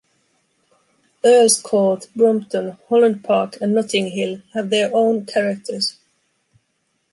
Earls Court, Brompton, Holland Park and Notting Hill have their own characters.